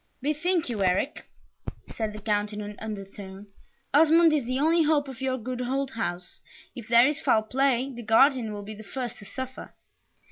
"Bethink you, Eric," said the Count, in an undertone, "Osmond is the only hope of your good old house if there is foul play, the guardian will be the first to suffer."